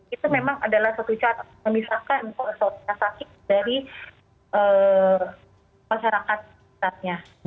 itu memang adalah satu cara memisahkan atau merasakan dari masyarakat sekitarnya